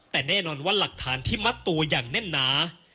แต่แน่นอนว่าหลักฐานที่มัดตัวอย่างแน่นหนา